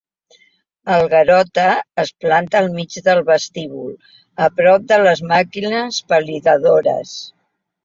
El Garota es planta al mig del vestíbul, a prop de les màquines validadores.